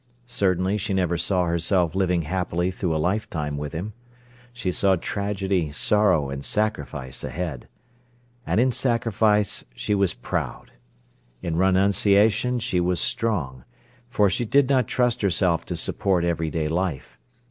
Certainly she never saw herself living happily through a lifetime with him. She saw tragedy, sorrow, and sacrifice ahead. And in sacrifice she was proud, in renunciation she was strong, for she did not trust herself to support everyday life.